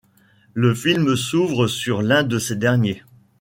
Le film s'ouvre sur l'un de ces derniers.